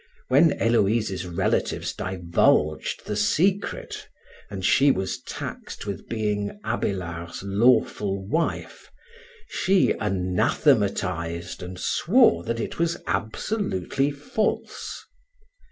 When Héloïse's relatives divulged the secret, and she was taxed with being Abélard's lawful wife, she "anathematized and swore that it was absolutely false."